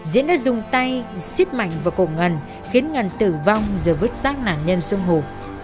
diễn đã dùng tay xiết mạnh vào cổ ngân khiến ngân tử vong rồi vứt sát nạn nhân xuống hồ